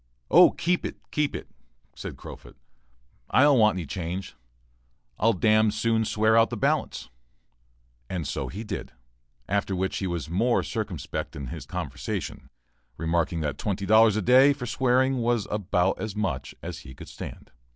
"Oh, keep it, keep it," said Crofut, "I don't want any change, I'll d d soon swear out the balance." He did so, after which he was more circumspect in his conversation, remarking that twenty dollars a day for swearing was about as much as he could stand.